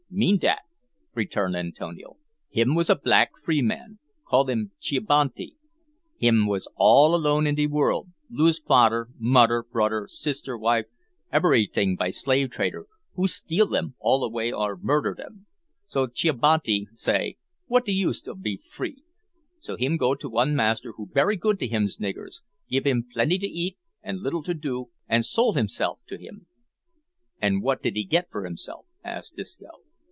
"Mean dat," returned Antonio. "Him was a black free man call him Chibanti; him was all alone in de world, lose fader, moder, broder, sister, wife, eberyting by slave trader, who steal dem all away or murder dem. So Chibanti him say, `What de use of be free?' So him go to one master, who berry good to hims niggers gib dem plenty to eat an' little to do an' sole hisself to him." "An' wot did he get for himself?" asked Disco.